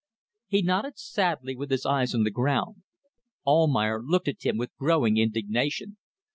He nodded sadly, with his eyes on the ground. Almayer looked at him with growing indignation.